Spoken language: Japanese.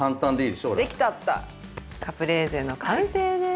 カプレーゼの完成です！